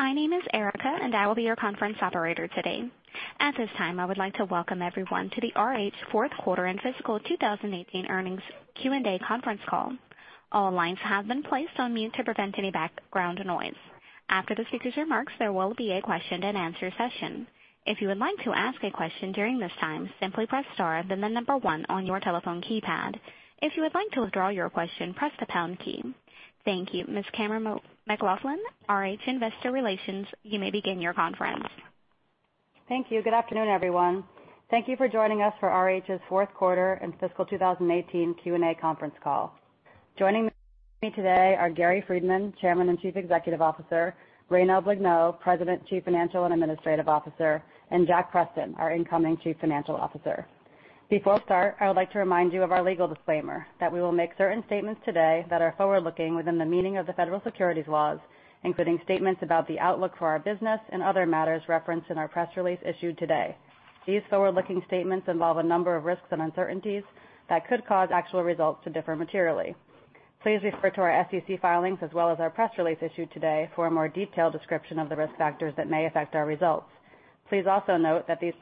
My name is Erica. I will be your conference operator today. At this time, I would like to welcome everyone to the RH fourth quarter and fiscal 2018 earnings Q&A conference call. All lines have been placed on mute to prevent any background noise. After the speaker's remarks, there will be a question-and-answer session. If you would like to ask a question during this time, simply press star, then the number one on your telephone keypad. If you would like to withdraw your question, press the pound key. Thank you. Ms. Cammeron McLaughlin, RH Investor Relations, you may begin your conference. Thank you. Good afternoon, everyone. Thank you for joining us for RH's fourth quarter and fiscal 2018 Q&A conference call. Joining me today are Gary Friedman, Chairman and Chief Executive Officer, Ryno Blignaut, President, Chief Financial and Administrative Officer, and Jack Preston, our incoming Chief Financial Officer. Before we start, I would like to remind you of our legal disclaimer, that we will make certain statements today that are forward-looking within the meaning of the federal securities laws, including statements about the outlook for our business and other matters referenced in our press release issued today. These forward-looking statements involve a number of risks and uncertainties that could cause actual results to differ materially. Please refer to our SEC filings as well as our press release issued today for a more detailed description of the risk factors that may affect our results. Please also note that these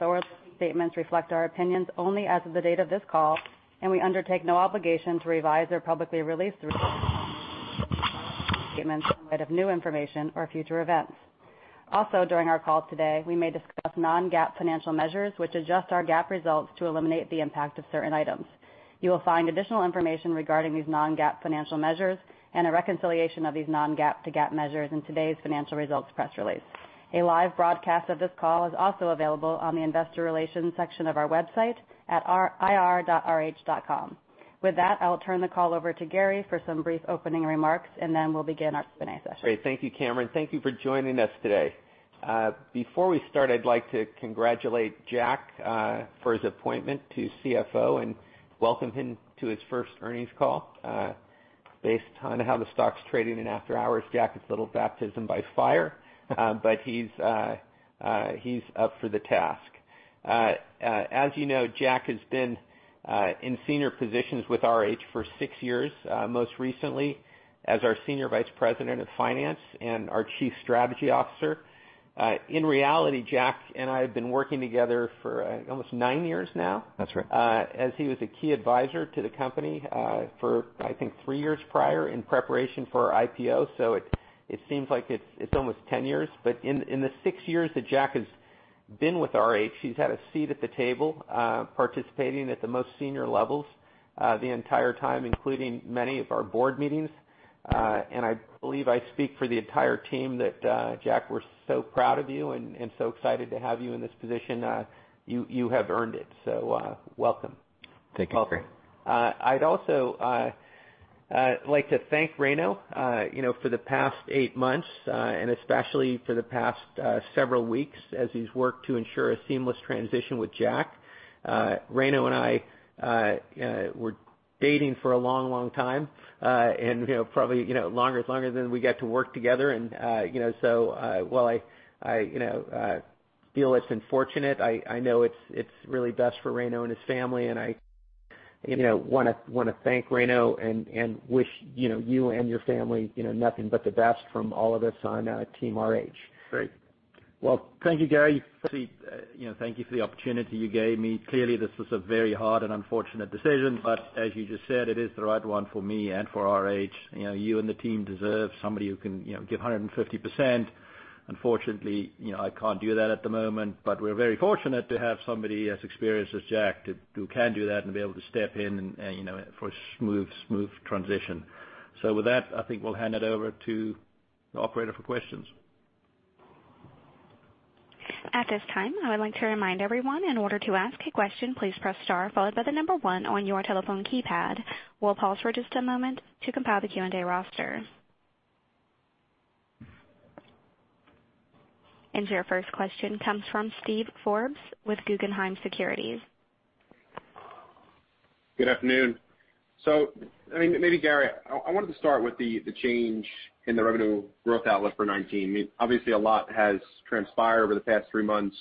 forward-looking statements reflect our opinions only as of the date of this call. We undertake no obligation to revise or publicly release the risk statements in light of new information or future events. Also, during our call today, we may discuss non-GAAP financial measures, which adjust our GAAP results to eliminate the impact of certain items. You will find additional information regarding these non-GAAP financial measures and a reconciliation of these non-GAAP to GAAP measures in today's financial results press release. A live broadcast of this call is also available on the Investor Relations section of our website at ir.rh.com. With that, I will turn the call over to Gary for some brief opening remarks. We'll begin our Q&A session. Great. Thank you, Cammeron. Thank you for joining us today. Before we start, I'd like to congratulate Jack for his appointment to CFO and welcome him to his first earnings call. Based on how the stock's trading in after-hours, Jack, it's a little baptism by fire, but he's up for the task. As you know, Jack has been in senior positions with RH for six years, most recently as our Senior Vice President of Finance and our Chief Strategy Officer. In reality, Jack and I have been working together for almost nine years now. That's right. As he was a key advisor to the company for, I think, three years prior in preparation for our IPO. It seems like it's almost 10 years. In the six years that Jack has been with RH, he's had a seat at the table, participating at the most senior levels the entire time, including many of our board meetings. I believe I speak for the entire team that, Jack, we're so proud of you and so excited to have you in this position. You have earned it. Welcome. Thank you, Gary. I'd also like to thank Ryno. For the past eight months, and especially for the past several weeks as he's worked to ensure a seamless transition with Jack. Ryno and I were dating for a long time, and probably longer than we got to work together, and so while I feel it's unfortunate, I know it's really best for Ryno and his family, and I want to thank Ryno and wish you and your family nothing but the best from all of us on team RH. Great. Well, thank you, Gary. Thank you for the opportunity you gave me. Clearly, this was a very hard and unfortunate decision, but as you just said, it is the right one for me and for RH. You and the team deserve somebody who can give 150%. Unfortunately, I can't do that at the moment, but we're very fortunate to have somebody as experienced as Jack who can do that and be able to step in and for a smooth transition. With that, I think we'll hand it over to the operator for questions. At this time, I would like to remind everyone, in order to ask a question, please press star followed by the number 1 on your telephone keypad. We'll pause for just a moment to compile the Q&A roster. Your first question comes from Steve Forbes with Guggenheim Securities. Good afternoon. Maybe Gary, I wanted to start with the change in the revenue growth outlook for 2019. Obviously, a lot has transpired over the past three months,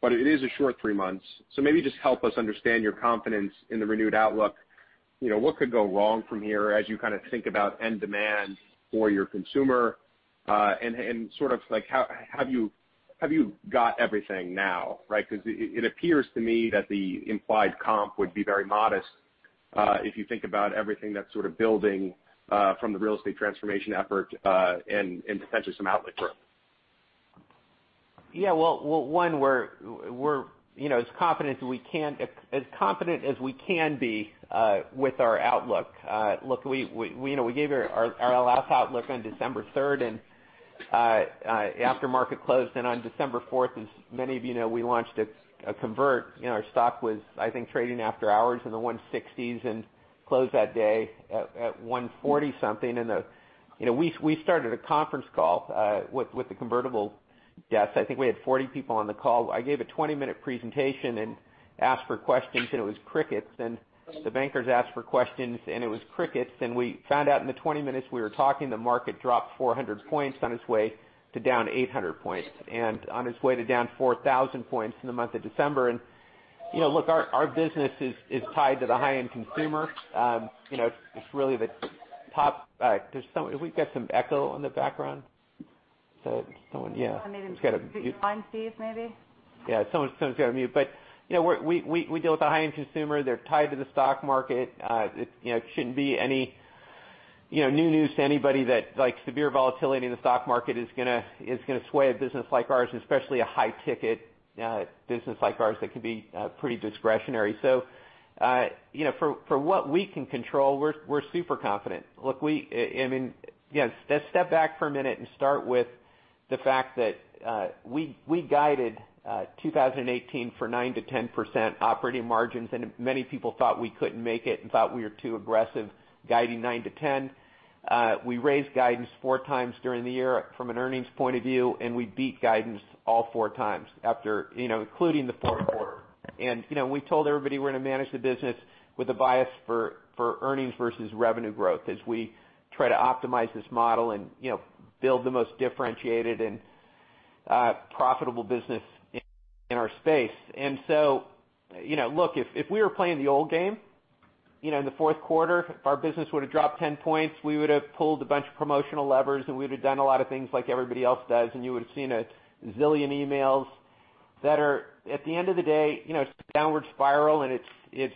but it is a short three months, so maybe just help us understand your confidence in the renewed outlook. What could go wrong from here as you think about end demand for your consumer? Have you got everything now, right? Because it appears to me that the implied comp would be very modest if you think about everything that's sort of building from the real estate transformation effort, and potentially some outlet growth. Yeah. Well, one, we're as confident as we can be with our outlook. Look, we gave our last outlook on December 3rd. After market closed and on December 4th, many of you know we launched a convert. Our stock was, I think, trading after hours in the 160s and closed that day at 140-something. We started a conference call with the convertible guests. I think we had 40 people on the call. I gave a 20-minute presentation. Asked for questions, and it was crickets. The bankers asked for questions, and it was crickets. We found out in the 20 minutes we were talking, the market dropped 400 points on its way to down 800 points, and on its way to down 4,000 points in the month of December. Look, our business is tied to the high-end consumer. We've got some echo in the background. Someone, yeah. Maybe behind Steve, maybe. Yeah, someone's got to mute. We deal with the high-end consumer. They're tied to the stock market. It shouldn't be any new news to anybody that severe volatility in the stock market is going to sway a business like ours, and especially a high-ticket business like ours that can be pretty discretionary. For what we can control, we're super confident. Look, let's step back for a minute and start with the fact that we guided 2018 for 9%-10% operating margins. Many people thought we couldn't make it and thought we were too aggressive guiding 9%-10%. We raised guidance four times during the year from an earnings point of view. We beat guidance all four times including the fourth quarter. We told everybody we're going to manage the business with a bias for earnings versus revenue growth as we try to optimize this model and build the most differentiated and profitable business in our space. Look, if we were playing the old game, in the fourth quarter, our business would've dropped 10 points. We would've pulled a bunch of promotional levers. We would've done a lot of things like everybody else does. You would've seen a zillion emails that are, at the end of the day, downward spiral. It's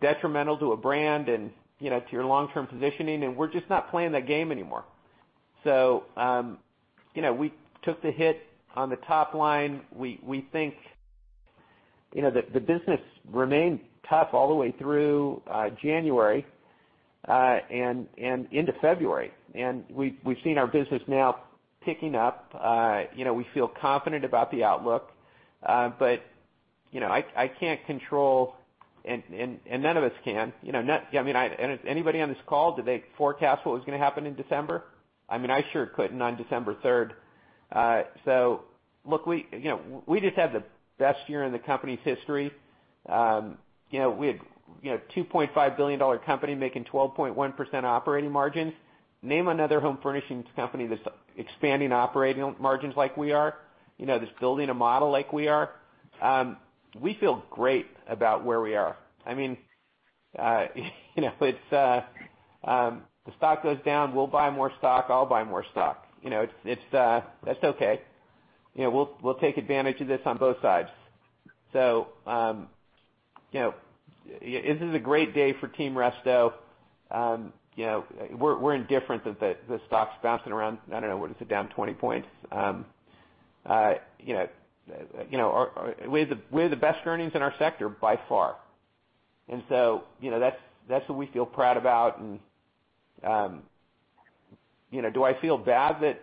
detrimental to a brand and to your long-term positioning. We're just not playing that game anymore. We took the hit on the top line. We think that the business remained tough all the way through January, and into February. We've seen our business now picking up. We feel confident about the outlook. I can't control, and none of us can. Anybody on this call, did they forecast what was going to happen in December? I sure couldn't on December 3rd. Look, we just had the best year in the company's history. We had a $2.5 billion company making 12.1% operating margins. Name another home furnishings company that's expanding operating margins like we are, that's building a model like we are. We feel great about where we are. If the stock goes down, we'll buy more stock. I'll buy more stock. That's okay. We'll take advantage of this on both sides. This is a great day for Team RH. We're indifferent that the stock's bouncing around. I don't know, what is it down 20 points? We have the best earnings in our sector by far. That's what we feel proud about and do I feel bad that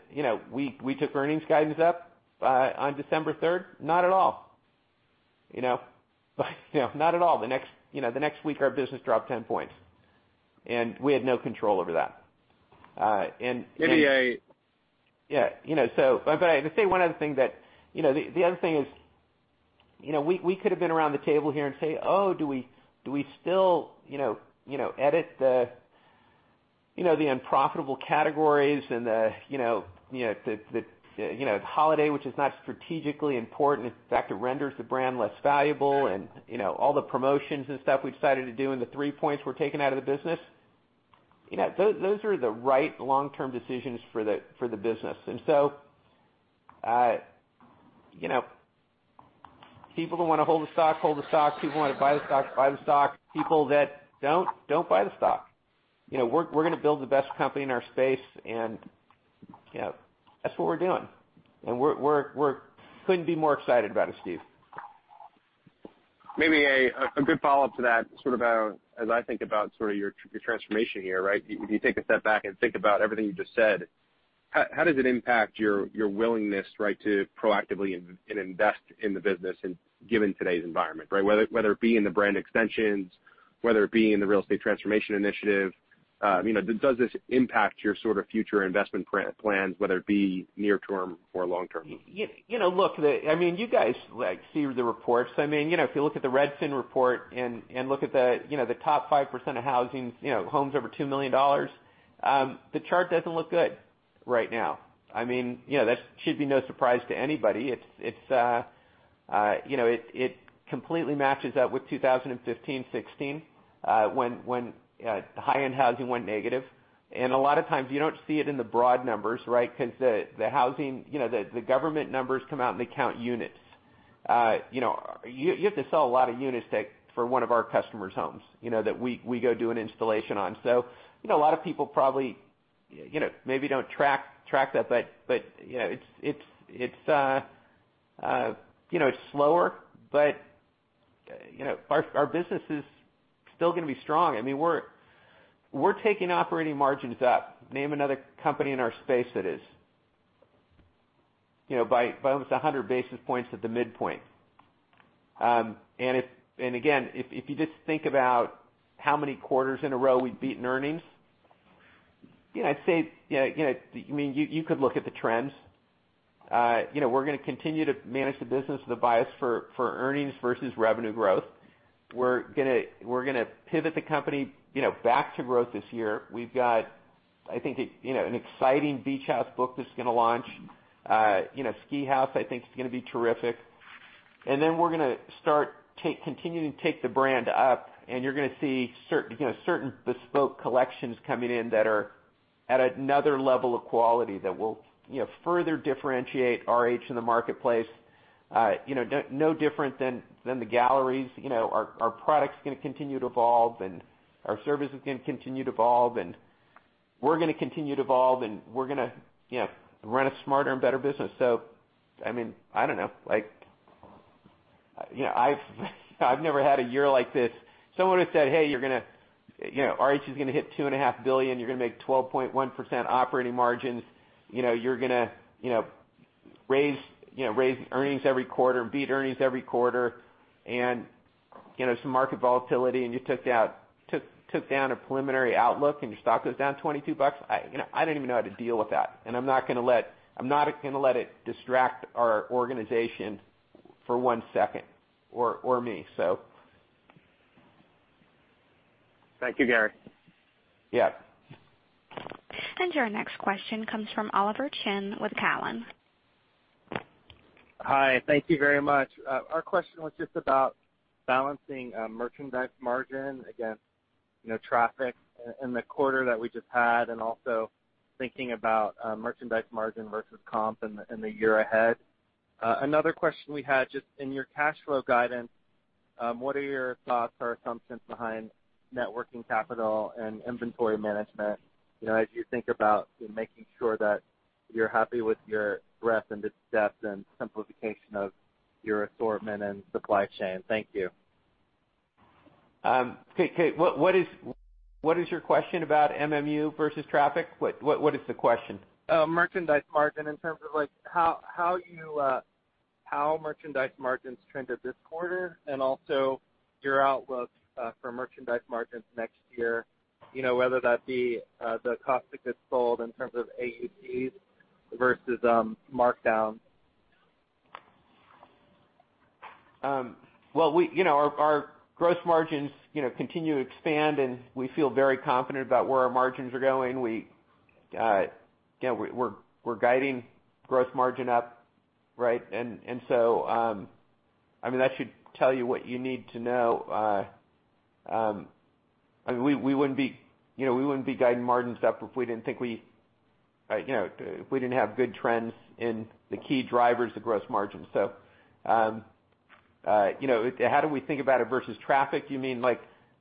we took earnings guidance up on December 3rd? Not at all. The next week, our business dropped 10 points, and we had no control over that. Maybe a- Yeah. To say one other thing that. The other thing is, we could've been around the table here and say, "Oh, do we still edit the unprofitable categories and the holiday, which is not strategically important. In fact, it renders the brand less valuable," and all the promotions and stuff we decided to do, and the three points we're taking out of the business. Those are the right long-term decisions for the business. People who want to hold the stock, hold the stock. People who want to buy the stock, buy the stock. People that don't buy the stock. We're going to build the best company in our space, and that's what we're doing. We couldn't be more excited about it, Steve. Maybe a good follow-up to that, as I think about your transformation here. If you take a step back and think about everything you just said, how does it impact your willingness to proactively invest in the business given today's environment? Whether it be in the brand extensions, whether it be in the real estate transformation initiative, does this impact your future investment plans, whether it be near term or long term? Look, you guys see the reports. If you look at the Redfin report and look at the top 5% of housing homes over $2 million, the chart doesn't look good right now. That should be no surprise to anybody. It completely matches up with 2015-16, when high-end housing went negative. A lot of times, you don't see it in the broad numbers because the government numbers come out and they count units. You have to sell a lot of units for one of our customers' homes, that we go do an installation on. A lot of people probably maybe don't track that, but it's slower, but our business is still going to be strong. We're taking operating margins up. Name another company in our space that is. By almost 100 basis points at the midpoint. Again, if you just think about how many quarters in a row we've beaten earnings, I'd say you could look at the trends. We're going to continue to manage the business with a bias for earnings versus revenue growth. We're going to pivot the company back to growth this year. We've got, I think, an exciting RH Beach House book that's going to launch. RH Ski House, I think, is going to be terrific. Then we're going to start continuing to take the brand up, and you're going to see certain bespoke collections coming in that are at another level of quality that will further differentiate RH in the marketplace. No different than the galleries. Our products are going to continue to evolve, and our service is going to continue to evolve, and we're going to continue to evolve, and we're going to run a smarter and better business. I don't know. I've never had a year like this. If someone had said, "Hey, RH is going to hit $2.5 billion. You're going to make 12.1% operating margins. You're going to raise earnings every quarter and beat earnings every quarter," and some market volatility, and you took down a preliminary outlook and your stock goes down $22, I don't even know how to deal with that. I'm not going to let it distract our organization for one second or me. Thank you, Gary. Yeah. Your next question comes from Oliver Chen with Cowen. Hi. Thank you very much. Our question was just about balancing merchandise margin against traffic in the quarter that we just had and also thinking about merchandise margin versus comp in the year ahead. Another question we had, just in your cash flow guidance, what are your thoughts or assumptions behind net working capital and inventory management as you think about making sure that you're happy with your breadth and the depth and simplification of your assortment and supply chain? Thank you. Okay, what is your question about MMU versus traffic? What is the question? Merchandise margin in terms of how merchandise margins trended this quarter, also your outlook for merchandise margins next year, whether that be the cost of goods sold in terms of AUT versus markdown. Well, our gross margins continue to expand, we feel very confident about where our margins are going. We're guiding gross margin up. That should tell you what you need to know. We wouldn't be guiding margins up if we didn't have good trends in the key drivers of gross margin. How do we think about it versus traffic? You mean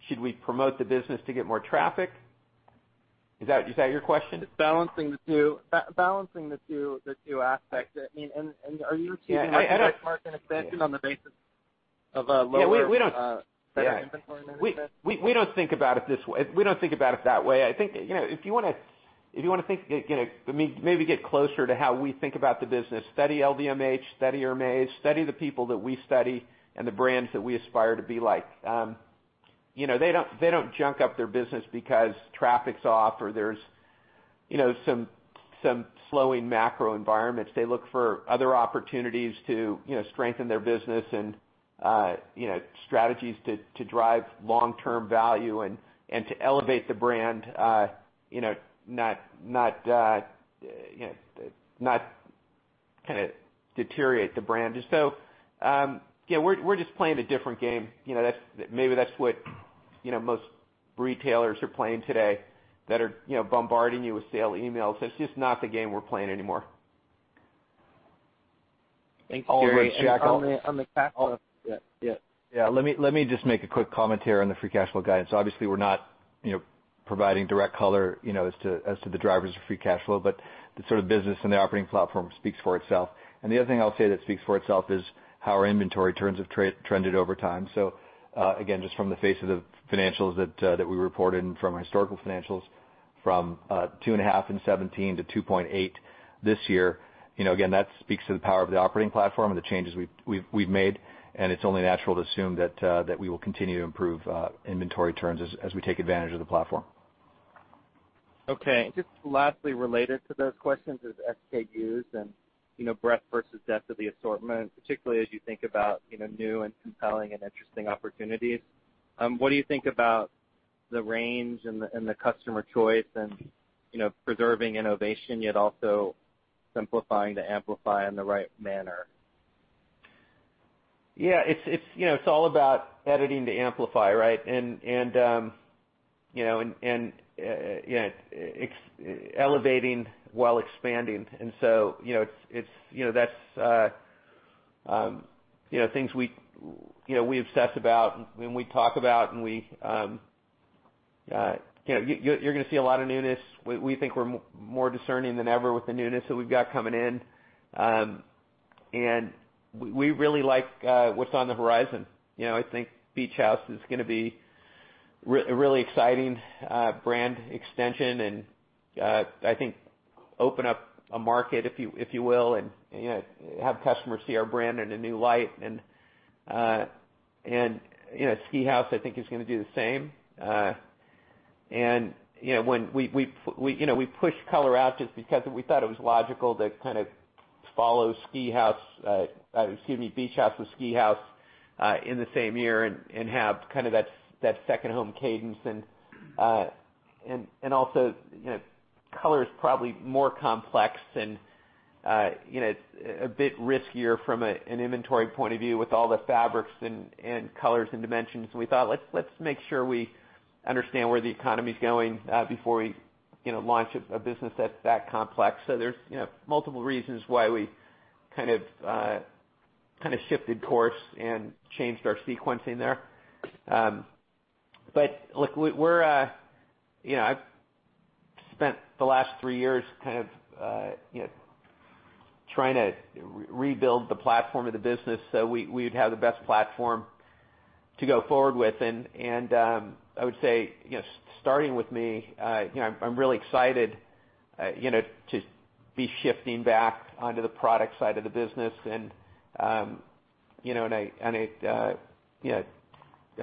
should we promote the business to get more traffic? Is that your question? Balancing the two aspects. Are you achieving Yeah. I don't merchandise margin expansion on the basis of a lower- Yeah, we don't- better inventory management? We don't think about it that way. I think if you want to maybe get closer to how we think about the business, study LVMH, study Hermès, study the people that we study and the brands that we aspire to be like. They don't junk up their business because traffic's off or there's some slowing macro environments. They look for other opportunities to strengthen their business and strategies to drive long-term value and to elevate the brand, not kind of deteriorate the brand. Yeah, we're just playing a different game. Maybe that's what most retailers are playing today that are bombarding you with sale emails. That's just not the game we're playing anymore. Thank you, Gary. Oliver, Jack. On the cash flow. Yeah. Let me just make a quick comment here on the free cash flow guidance. Obviously, we're not providing direct color as to the drivers of free cash flow, but the sort of business and the operating platform speaks for itself. The other thing I'll say that speaks for itself is how our inventory turns have trended over time. Again, just from the face of the financials that we reported and from historical financials, from 2.5 in 2017 to 2.8 this year. Again, that speaks to the power of the operating platform and the changes we've made, and it's only natural to assume that we will continue to improve inventory turns as we take advantage of the platform. Okay. Just lastly, related to those questions is SKUs and breadth versus depth of the assortment, particularly as you think about new and compelling and interesting opportunities. What do you think about the range and the customer choice and preserving innovation, yet also simplifying to amplify in the right manner? Yeah. It's all about editing to amplify, right? Elevating while expanding. That's things we obsess about and we talk about, and you're going to see a lot of newness. We think we're more discerning than ever with the newness that we've got coming in. We really like what's on the horizon. I think Beach House is going to be a really exciting brand extension and I think open up a market, if you will, and have customers see our brand in a new light. Ski House, I think, is going to do the same. We pushed color out just because we thought it was logical to kind of follow Beach House with Ski House in the same year and have that second home cadence. Also, color is probably more complex and a bit riskier from an inventory point of view with all the fabrics and colors and dimensions. We thought, "Let's make sure we understand where the economy's going before we launch a business that's that complex." There's multiple reasons why we kind of shifted course and changed our sequencing there. Look, I've spent the last three years kind of trying to rebuild the platform of the business so we would have the best platform to go forward with. I would say, starting with me, I'm really excited to be shifting back onto the product side of the business. I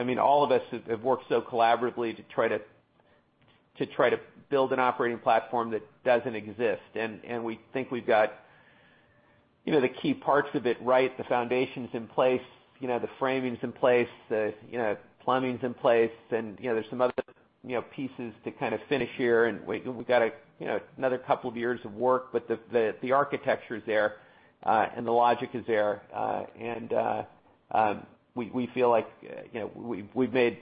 mean, all of us have worked so collaboratively to try to build an operating platform that doesn't exist. We think we've got the key parts of it right, the foundation's in place, the framing's in place, the plumbing's in place, there's some other pieces to finish here, we've got another couple of years of work, the architecture is there, the logic is there. We feel like we've made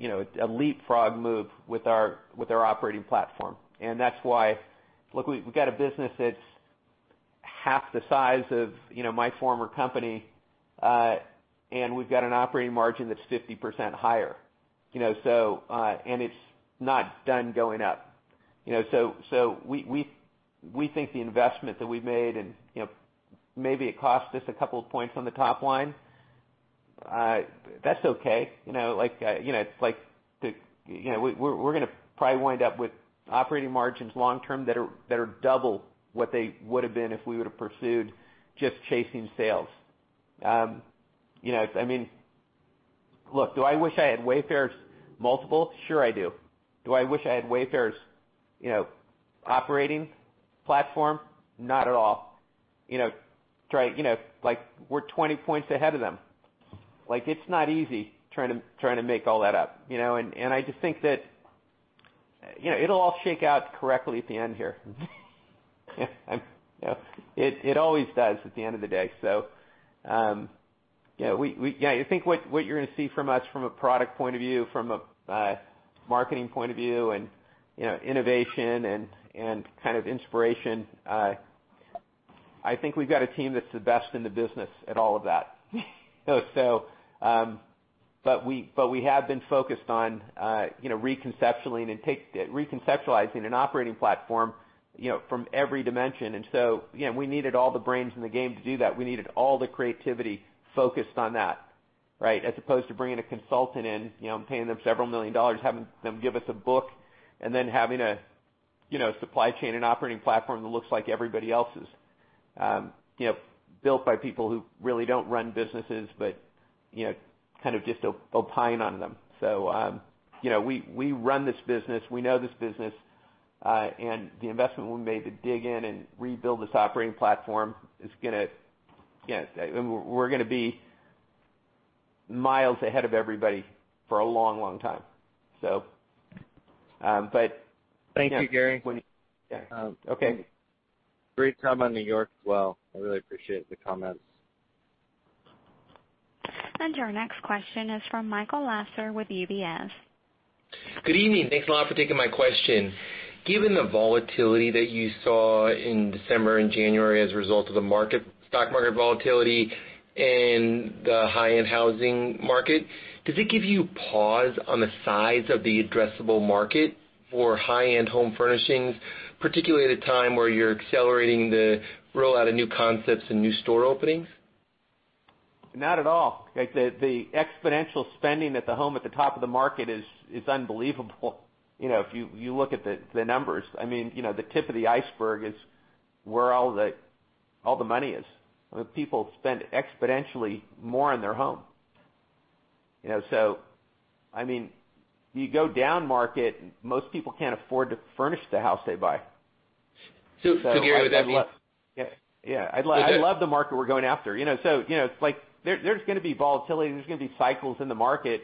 a leapfrog move with our operating platform. That's why, look, we've got a business that's half the size of my former company, we've got an operating margin that's 50% higher, it's not done going up. We think the investment that we've made, maybe it cost us a couple of points on the top line, that's okay. We're going to probably wind up with operating margins long term that are double what they would've been if we would've pursued just chasing sales. I mean, look, do I wish I had Wayfair's multiple? Sure I do. Do I wish I had Wayfair's operating platform? Not at all. We're 20 points ahead of them. It's not easy trying to make all that up. I just think that it'll all shake out correctly at the end here. It always does at the end of the day. I think what you're going to see from us from a product point of view, from a marketing point of view, and innovation and kind of inspiration, I think we've got a team that's the best in the business at all of that. We have been focused on reconceptualizing an operating platform from every dimension. We needed all the brains in the game to do that. We needed all the creativity focused on that, right? As opposed to bringing a consultant in, paying them several million dollars, having them give us a book, having a supply chain and operating platform that looks like everybody else's, built by people who really don't run businesses, but kind of just opine on them. We run this business, we know this business, the investment we made to dig in and rebuild this operating platform, we're going to be miles ahead of everybody for a long time. Thank you, Gary. Yeah. Okay. Great comment on New York as well. I really appreciate the comments. Our next question is from Michael Lasser with UBS. Good evening. Thanks a lot for taking my question. Given the volatility that you saw in December and January as a result of the stock market volatility and the high-end housing market, does it give you pause on the size of the addressable market for high-end home furnishings, particularly at a time where you're accelerating the roll-out of new concepts and new store openings? Not at all. The exponential spending at the home at the top of the market is unbelievable if you look at the numbers. The tip of the iceberg is where all the money is. People spend exponentially more on their home. You go down market, most people can't afford to furnish the house they buy. Gary, does that mean? Yeah. I love the market we're going after. There's going to be volatility, there's going to be cycles in the market.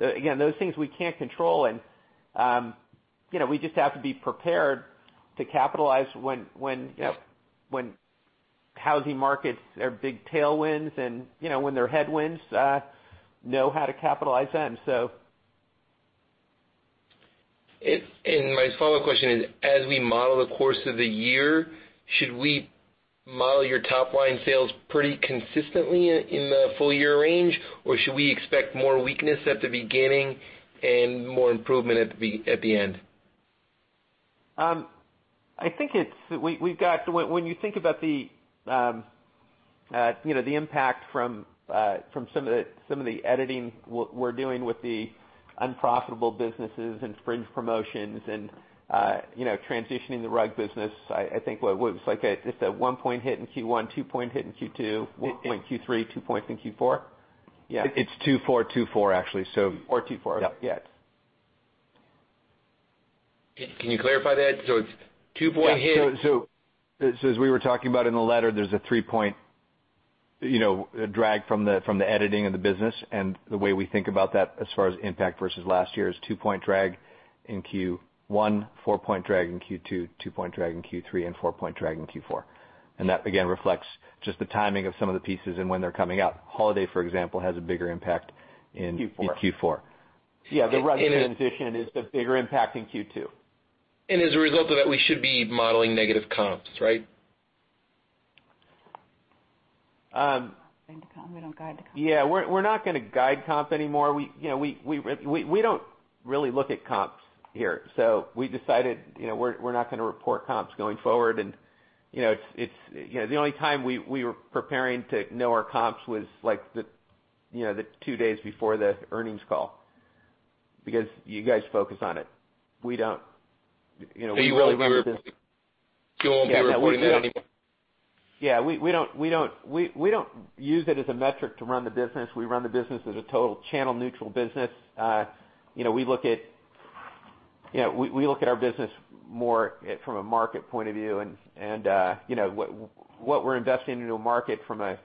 Again, those things we can't control, we just have to be prepared to capitalize when housing markets are big tailwinds, and when they're headwinds, know how to capitalize them. My follow-up question is, as we model the course of the year, should we model your top-line sales pretty consistently in the full-year range? Or should we expect more weakness at the beginning and more improvement at the end? When you think about the impact from some of the editing we're doing with the unprofitable businesses and fringe promotions and transitioning the rug business, I think what it was, it's a one-point hit in Q1, two-point hit in Q2, one point in Q3, two points in Q4? Yeah. It's two-four, two-four, actually. 2-4. Yep. Yeah. Can you clarify that? It's 2-point hit- Yeah. As we were talking about in the letter, there's a 3-point drag from the editing of the business. The way we think about that, as far as impact versus last year, is 2-point drag in Q1, 4-point drag in Q2, 2-point drag in Q3, and 4-point drag in Q4. That, again, reflects just the timing of some of the pieces and when they're coming out. Holiday, for example, has a bigger impact in- Q4 Q4. Yeah. The recognition is the bigger impact in Q2. As a result of that, we should be modeling negative comps, right? We don't guide the comp. Yeah, we're not going to guide comp anymore. We don't really look at comps here. We decided we're not going to report comps going forward. The only time we were preparing to know our comps was the two days before the earnings call, because you guys focus on it. We don't. We really run the business. You won't be reporting that anymore? Yeah. We don't use it as a metric to run the business. We run the business as a total channel neutral business. We look at our business more from a market point of view and what we're investing into a market from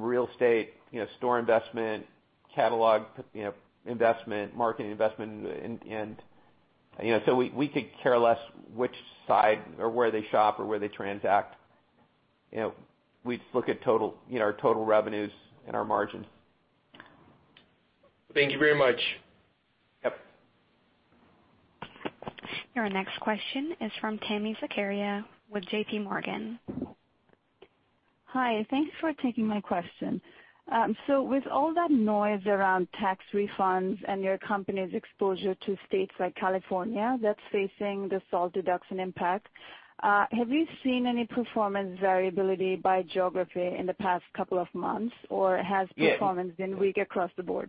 real estate, store investment, catalog investment, marketing investment. We could care less which side or where they shop or where they transact. We just look at our total revenues and our margin. Thank you very much. Yep. Your next question is from Tami Zakaria with JP Morgan. Hi, thanks for taking my question. With all that noise around tax refunds and your company's exposure to states like California that's facing the SALT deduction impact, have you seen any performance variability by geography in the past couple of months? Or has performance been weak across the board?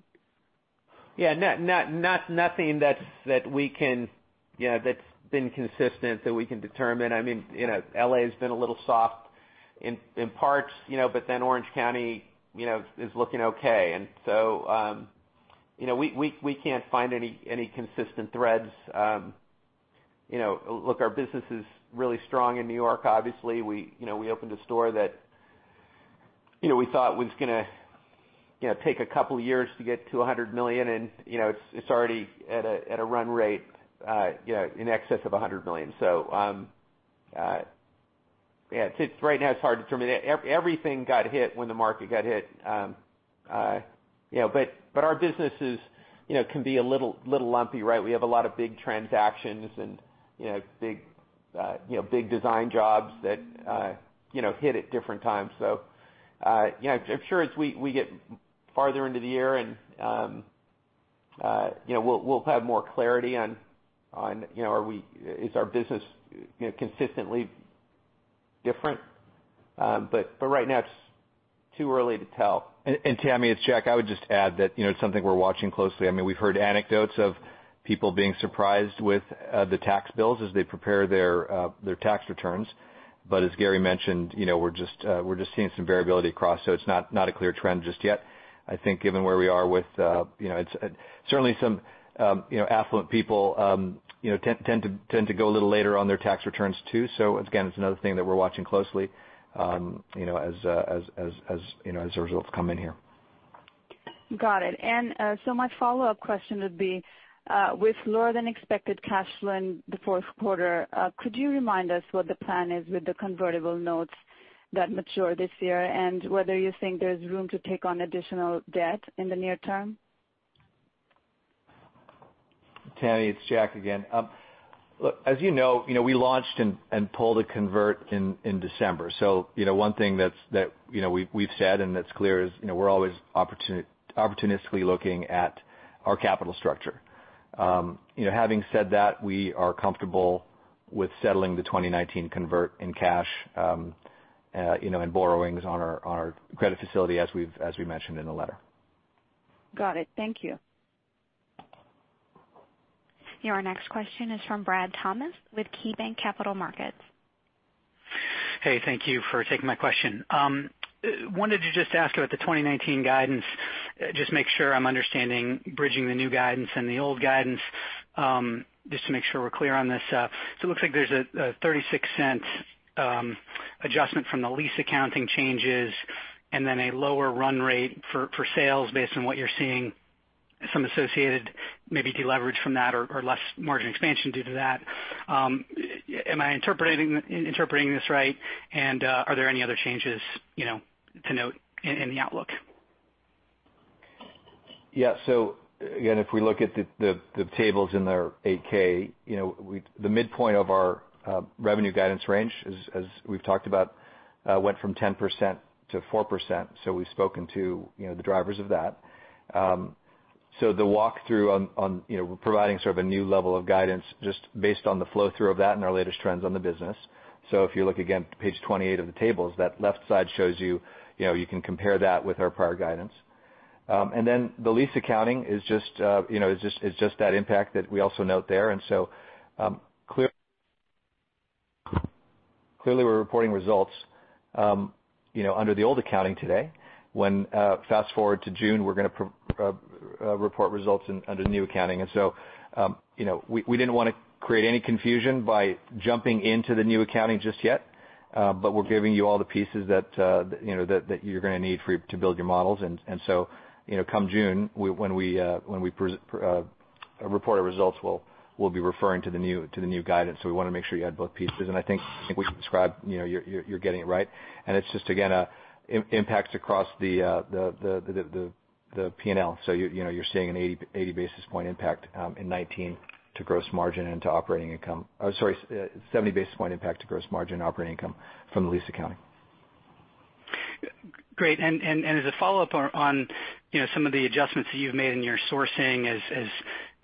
Yeah. Nothing that's been consistent that we can determine. L.A. has been a little soft in parts, Orange County is looking okay. We can't find any consistent threads. Look, our business is really strong in New York, obviously. We opened a store that we thought was going to take a couple of years to get to $100 million, and it's already at a run rate in excess of $100 million. Right now it's hard to determine. Everything got hit when the market got hit. Our businesses can be a little lumpy, right? We have a lot of big transactions and big design jobs that hit at different times. I'm sure as we get farther into the year, we'll have more clarity on, is our business consistently different? Right now it's too early to tell. Tami, it's Jack. I would just add that it's something we're watching closely. We've heard anecdotes of people being surprised with the tax bills as they prepare their tax returns. As Gary mentioned, we're just seeing some variability across, so it's not a clear trend just yet. I think given where we are with Certainly some affluent people tend to go a little later on their tax returns, too. It's another thing that we're watching closely as the results come in here. Got it. My follow-up question would be, with lower than expected cash flow in the fourth quarter, could you remind us what the plan is with the convertible notes that mature this year? Whether you think there's room to take on additional debt in the near term? Tami, it's Jack again. Look, as you know, we launched and pulled a convert in December. One thing that we've said and that's clear is, we're always opportunistically looking at our capital structure. Having said that, we are comfortable with settling the 2019 convert in cash and borrowings on our credit facility as we mentioned in the letter. Got it. Thank you. Your next question is from Brad Thomas with KeyBanc Capital Markets. Hey, thank you for taking my question. Wanted to just ask about the 2019 guidance, just make sure I'm understanding, bridging the new guidance and the old guidance, just to make sure we're clear on this. It looks like there's a $0.36 adjustment from the lease accounting changes and then a lower run rate for sales based on what you're seeing some associated, maybe de-leverage from that or less margin expansion due to that. Am I interpreting this right? Are there any other changes to note in the outlook? Yeah. Again, if we look at the tables in their 8-K, the midpoint of our revenue guidance range, as we've talked about, went from 10% to 4%. We've spoken to the drivers of that. The walkthrough on providing sort of a new level of guidance just based on the flow through of that and our latest trends on the business. If you look again at page 28 of the tables, that left side shows you can compare that with our prior guidance. Then the lease accounting is just that impact that we also note there. Clearly, we're reporting results under the old accounting today. When, fast-forward to June, we're going to report results under the new accounting. We didn't want to create any confusion by jumping into the new accounting just yet. We're giving you all the pieces that you're going to need to build your models. Come June, when we report our results, we'll be referring to the new guidance. We want to make sure you had both pieces. I think what you described, you're getting it right. It's just, again, impacts across the P&L. You're seeing an 80 basis point impact in 2019 to gross margin and to operating income. Sorry, 70 basis point impact to gross margin and operating income from the lease accounting. Great. As a follow-up on some of the adjustments that you've made in your sourcing as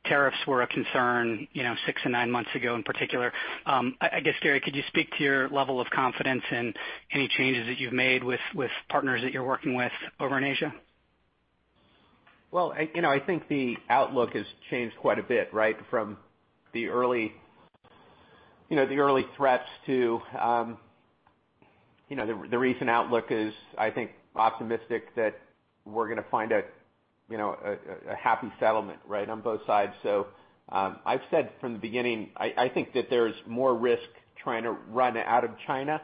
tariffs were a concern six and nine months ago in particular. I guess, Gary, could you speak to your level of confidence and any changes that you've made with partners that you're working with over in Asia? Well, I think the outlook has changed quite a bit from the early threats to the recent outlook is, I think, optimistic that we're going to find a happy settlement on both sides. I've said from the beginning, I think that there's more risk trying to run out of China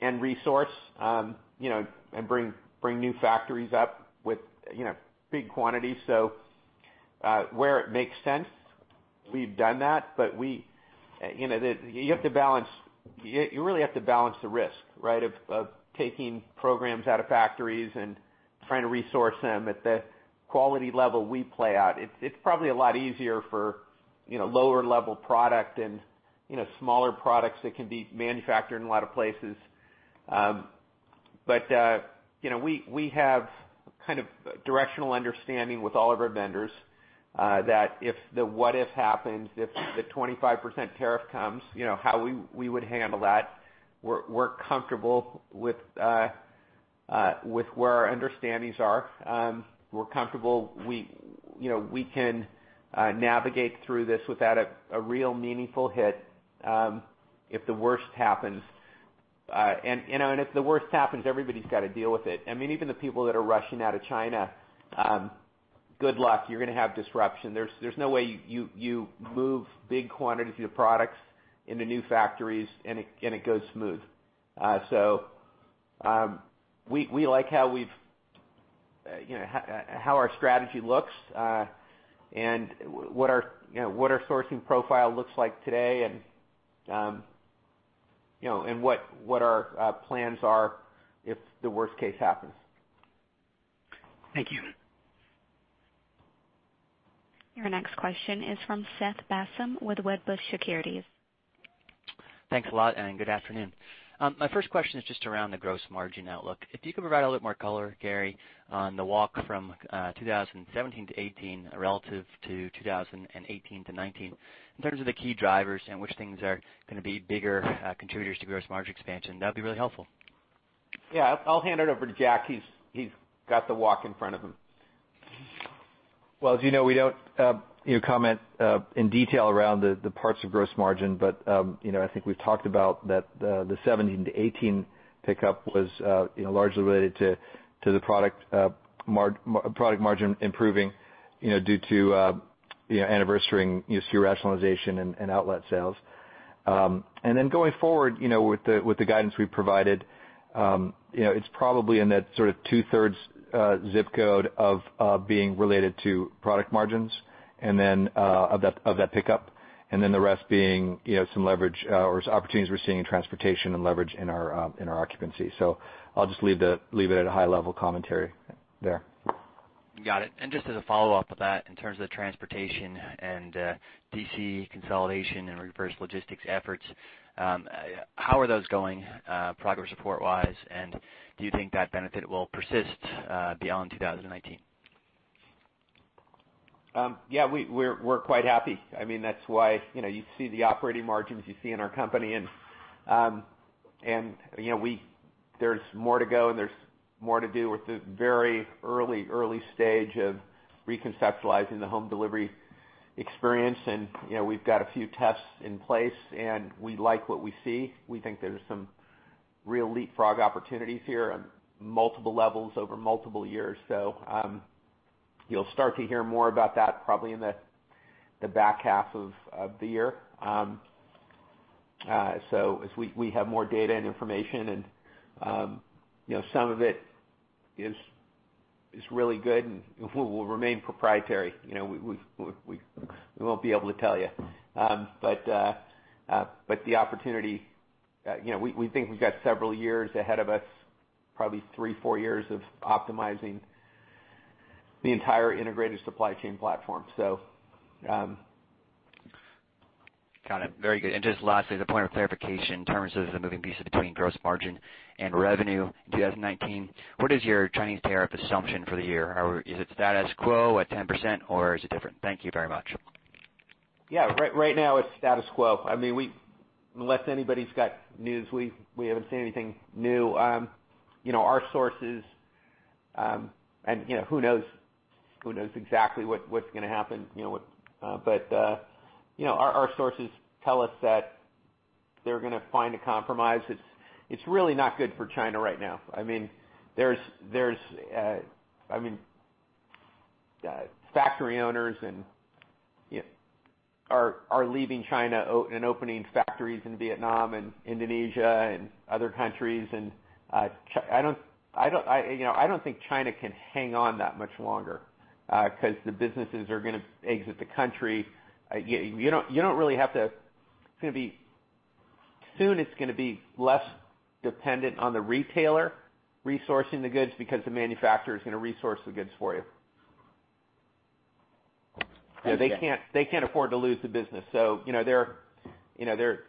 and resource, and bring new factories up with big quantities. Where it makes sense, we've done that. You really have to balance the risk of taking programs out of factories and trying to resource them at the quality level we play at. It's probably a lot easier for lower-level product and smaller products that can be manufactured in a lot of places. We have directional understanding with all of our vendors that if the what if happens, if the 25% tariff comes, how we would handle that. We're comfortable with where our understandings are. We're comfortable we can navigate through this without a real meaningful hit if the worst happens. If the worst happens, everybody's got to deal with it. Even the people that are rushing out of China, good luck. You're going to have disruption. There's no way you move big quantities of your products into new factories and it goes smooth. We like how our strategy looks and what our sourcing profile looks like today and what our plans are if the worst case happens. Thank you. Your next question is from Seth Basham with Wedbush Securities. Thanks a lot. Good afternoon. My first question is just around the gross margin outlook. If you could provide a little more color, Gary, on the walk from 2017-2018 relative to 2018-2019. In terms of the key drivers and which things are going to be bigger contributors to gross margin expansion. That would be really helpful. Yeah, I will hand it over to Jack. He has got the walk in front of him. As you know, we don't comment in detail around the parts of gross margin. I think we've talked about that the 2017 to 2018 pickup was largely related to the product margin improving due to anniversarying SKU rationalization and outlet sales. Going forward, with the guidance we've provided, it's probably in that two-thirds zip code of being related to product margins of that pickup, and then the rest being some leverage or opportunities we're seeing in transportation and leverage in our occupancy. I'll just leave it at a high-level commentary there. Got it. Just as a follow-up of that, in terms of the transportation and DC consolidation and reverse logistics efforts, how are those going progress report wise, and do you think that benefit will persist beyond 2019? We're quite happy. That's why you see the operating margins you see in our company. There's more to go, and there's more to do. We're at the very early stage of reconceptualizing the home delivery experience, and we've got a few tests in place, and we like what we see. We think there's some real leapfrog opportunities here on multiple levels over multiple years. You'll start to hear more about that probably in the back half of the year. As we have more data and information and some of it is really good and will remain proprietary. We won't be able to tell you. The opportunity, we think we've got several years ahead of us, probably three, four years of optimizing the entire integrated supply chain platform. Got it. Very good. Just lastly, as a point of clarification in terms of the moving pieces between gross margin and revenue in 2019, what is your Chinese tariff assumption for the year? Is it status quo at 10% or is it different? Thank you very much. Yeah. Right now it's status quo. Unless anybody's got news, we haven't seen anything new. Who knows exactly what's going to happen. Our sources tell us that they're going to find a compromise. It's really not good for China right now. Factory owners are leaving China and opening factories in Vietnam and Indonesia and other countries. I don't think China can hang on that much longer, because the businesses are going to exit the country. Soon it's going to be less dependent on the retailer resourcing the goods, because the manufacturer is going to resource the goods for you. Understood. They can't afford to lose the business.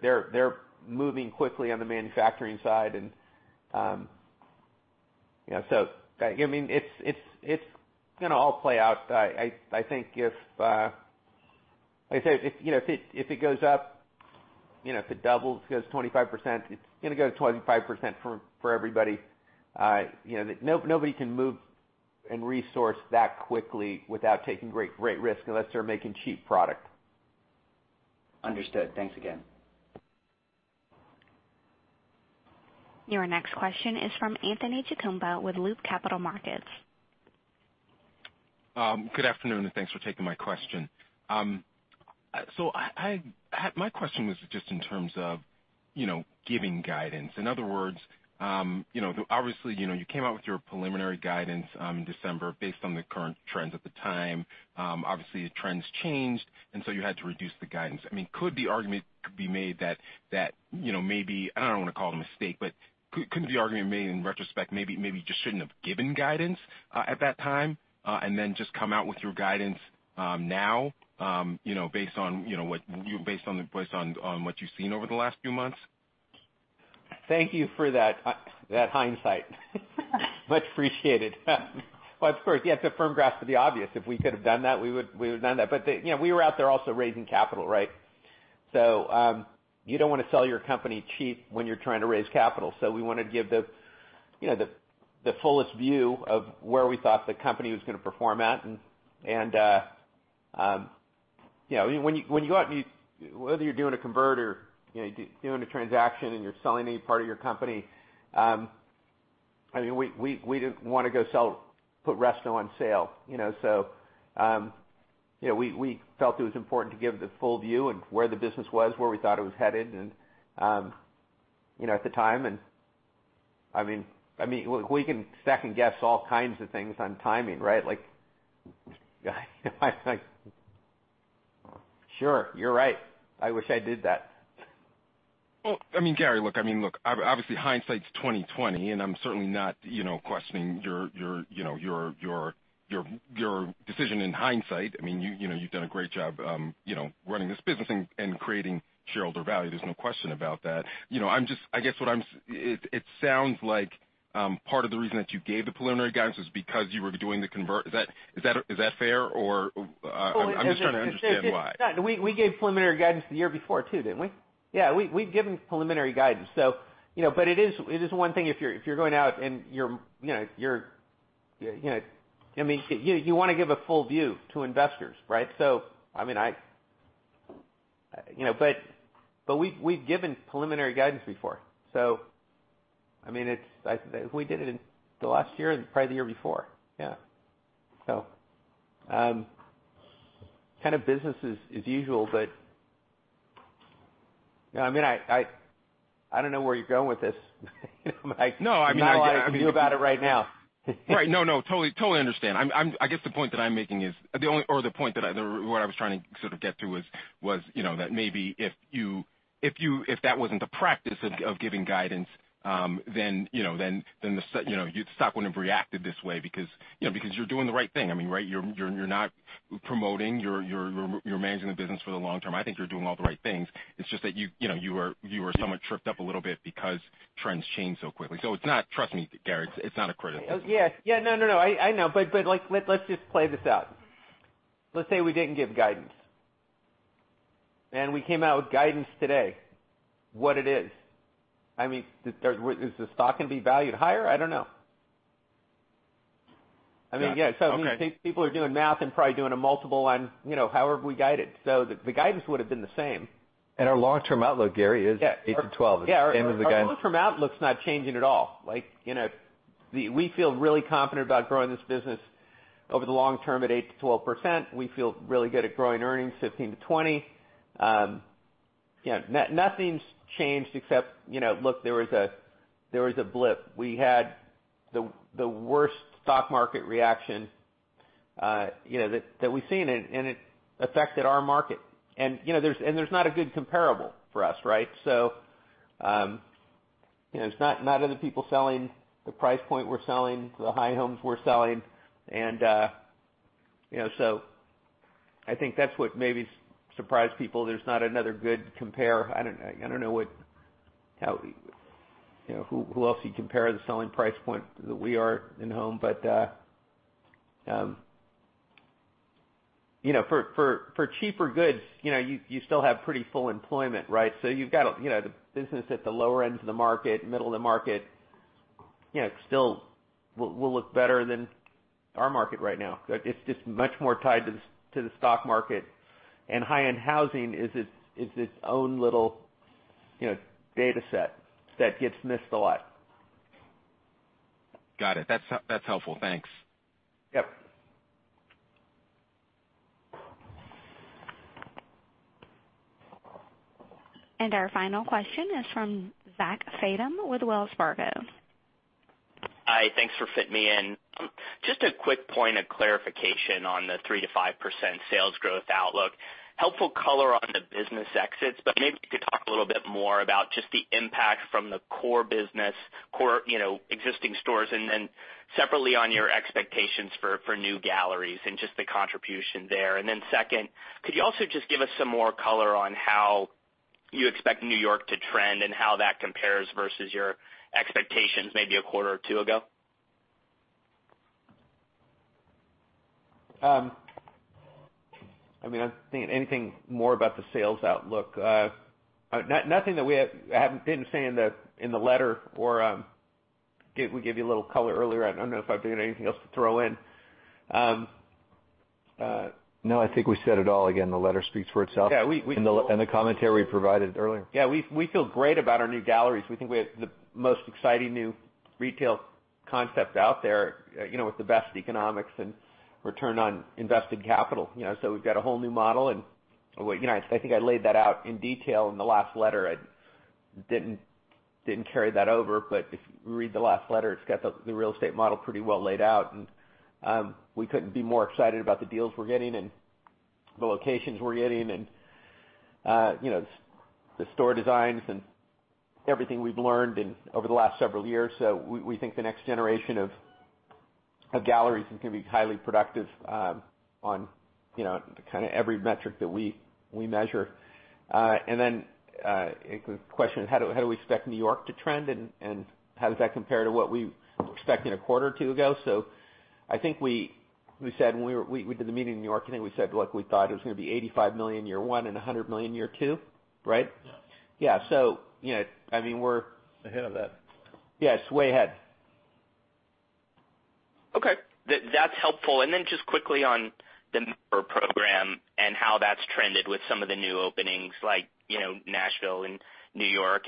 They're moving quickly on the manufacturing side. It's going to all play out. I think if it goes up, if it doubles, goes 25%, it's going to go to 25% for everybody. Nobody can move and resource that quickly without taking great risk unless they're making cheap product. Understood. Thanks again. Your next question is from Anthony Chukumba with Loop Capital Markets. Good afternoon, and thanks for taking my question. My question was just in terms of giving guidance. In other words, obviously, you came out with your preliminary guidance in December based on the current trends at the time. Obviously, the trends changed, you had to reduce the guidance. Could the argument be made that maybe, I don't want to call it a mistake, could the argument be made in retrospect, maybe you just shouldn't have given guidance at that time, and then just come out with your guidance now based on what you've seen over the last few months? Thank you for that hindsight. Much appreciated. Well, of course, yes, a firm grasp of the obvious. If we could have done that, we would have done that. We were out there also raising capital. You don't want to sell your company cheap when you're trying to raise capital. We wanted to give the fullest view of where we thought the company was going to perform at. Whether you're doing a convert or doing a transaction and you're selling any part of your company, we didn't want to go put RH on sale. We felt it was important to give the full view and where the business was, where we thought it was headed at the time. We can second guess all kinds of things on timing. Sure, you're right. I wish I did that. Well, Gary, look, obviously hindsight's 2020, and I'm certainly not questioning your decision in hindsight. You've done a great job running this business and creating shareholder value. There's no question about that. It sounds like part of the reason that you gave the preliminary guidance was because you were doing the convert. Is that fair? I'm just trying to understand why. We gave preliminary guidance the year before too, didn't we? Yeah, we've given preliminary guidance. It is one thing if you're going out and you want to give a full view to investors. We've given preliminary guidance before. We did it in the last year and probably the year before. Yeah. Kind of business as usual, I don't know where you're going with this. No. There's not a lot I can do about it right now. Right. No. Totally understand. I guess the point that I'm making is, or what I was trying to sort of get to was that maybe if that wasn't the practice of giving guidance, then the stock wouldn't have reacted this way. Because you're doing the right thing. You're not promoting. You're managing the business for the long term. I think you're doing all the right things. It's just that you were somewhat tripped up a little bit because trends change so quickly. Trust me, Gary, it's not a criticism. Yeah. No. I know. Let's just play this out. Let's say we didn't give guidance, we came out with guidance today, what it is. Is the stock going to be valued higher? I don't know. Got it. Okay. These people are doing math and probably doing a multiple on however we guided. The guidance would have been the same. Our long-term outlook, Gary, is 8%-12%. Yeah. End of the guide. Our long-term outlook's not changing at all. We feel really confident about growing this business over the long term at 8% to 12%. We feel really good at growing earnings 15% to 20%. Nothing's changed except, look, there was a blip. We had the worst stock market reaction that we've seen, and it affected our market. There's not a good comparable for us. It's not other people selling the price point we're selling, the high homes we're selling. I think that's what maybe surprised people. There's not another good compare. I don't know who else you compare the selling price point that we are in home. For cheaper goods, you still have pretty full employment, right? You've got the business at the lower end of the market, middle of the market, still will look better than our market right now. It's just much more tied to the stock market, and high-end housing is its own little data set that gets missed a lot. Got it. That's helpful. Thanks. Yep. Our final question is from Zach Fadem with Wells Fargo. Hi. Thanks for fitting me in. Just a quick point of clarification on the 3% to 5% sales growth outlook. Helpful color on the business exits, but maybe if you could talk a little bit more about just the impact from the core business, existing stores, and then separately on your expectations for new galleries and just the contribution there. Second, could you also just give us some more color on how you expect New York to trend and how that compares versus your expectations, maybe a quarter or two ago? I'm thinking anything more about the sales outlook. Nothing that we didn't say in the letter or we gave you a little color earlier. I don't know if I have anything else to throw in. No, I think we said it all. Again, the letter speaks for itself. Yeah. The commentary we provided earlier. Yeah, we feel great about our new galleries. We think we have the most exciting new retail concept out there, with the best economics and return on invested capital. We've got a whole new model, and I think I laid that out in detail in the last letter. I didn't carry that over, but if you read the last letter, it's got the real estate model pretty well laid out. We couldn't be more excited about the deals we're getting and the locations we're getting and the store designs and everything we've learned over the last several years. We think the next generation of galleries is going to be highly productive on every metric that we measure. Then, the question, how do we expect New York to trend, and how does that compare to what we were expecting a quarter or two ago? I think we said when we did the meeting in New York, I think we said, look, we thought it was going to be $85 million year one and $100 million year two. Right? Yeah. Yeah. I mean, Ahead of that. Yes, way ahead. Okay. That's helpful. Just quickly on the member program and how that's trended with some of the new openings like Nashville and New York.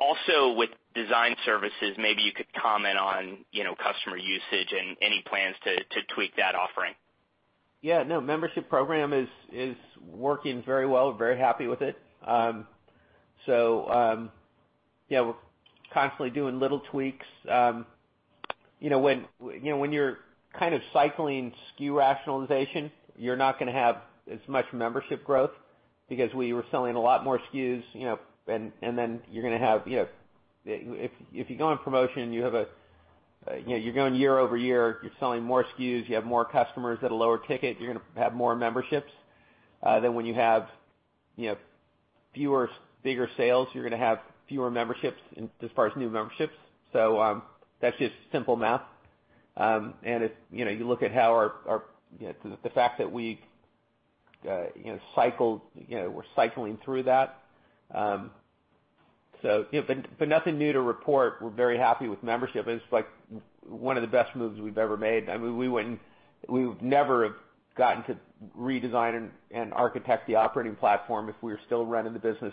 Also with design services, maybe you could comment on customer usage and any plans to tweak that offering. Yeah, no, membership program is working very well. Very happy with it. We're constantly doing little tweaks. When you're cycling SKU rationalization, you're not going to have as much membership growth because we were selling a lot more SKUs. If you go on promotion, you're going year-over-year, you're selling more SKUs, you have more customers at a lower ticket, you're going to have more memberships. When you have fewer bigger sales, you're going to have fewer memberships as far as new memberships. That's just simple math. If you look at the fact that we're cycling through that. Nothing new to report. We're very happy with membership. It's one of the best moves we've ever made. We would never have gotten to redesign and architect the operating platform if we were still running the business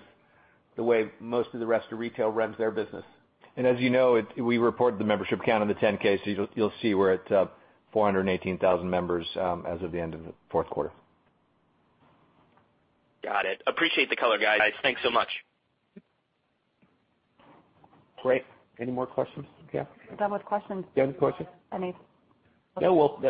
the way most of the rest of retail runs their business. As you know, we report the membership count on the 10-K, you'll see we're at 418,000 members as of the end of the fourth quarter. Got it. Appreciate the color, guys. Thanks so much. Great. Any more questions? Yeah. We're done with questions. Done with questions. If any- No, well,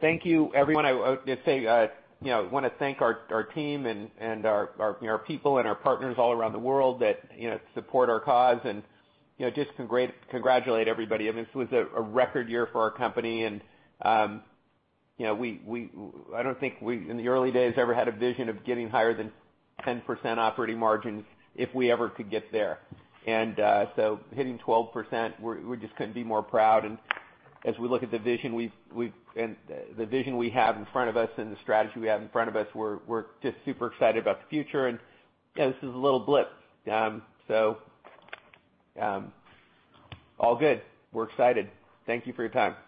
thank you everyone. I want to thank our team and our people and our partners all around the world that support our cause and just congratulate everybody. I mean, this was a record year for our company, and I don't think we, in the early days, ever had a vision of getting higher than 10% operating margins if we ever could get there. Hitting 12%, we just couldn't be more proud. As we look at the vision we have in front of us and the strategy we have in front of us, we're just super excited about the future, and this is a little blip. All good. We're excited. Thank you for your time.